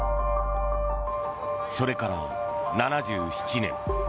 それから７７年。